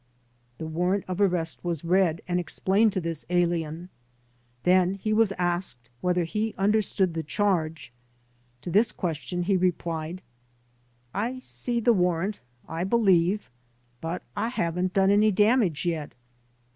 The warrant of arrest was read and explained to this alien. Then he was asked whether he understood the charge. To this question he replied : "I see the warrant, I believe, but I haven't done any damage yet."